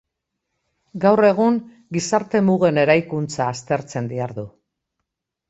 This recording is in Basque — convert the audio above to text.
Gaur egun, gizarte-mugen eraikuntza aztertzen dihardu.